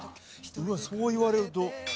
そう言われると。